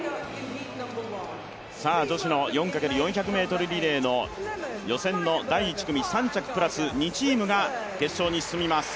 女子の４×４００ｍリレーの予選の第１組、３着プラス２チームが決勝に進みます。